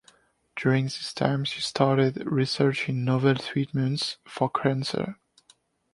During this time she started researching novel treatments for cancer.